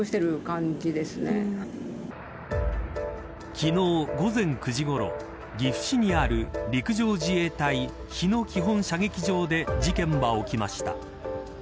昨日午前９時ごろ岐阜市にある陸上自衛隊日野基本射撃場で事件は起きました。